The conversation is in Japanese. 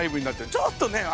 ちょっとね